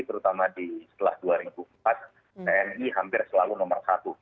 terutama setelah dua ribu empat tni hampir selalu nomor satu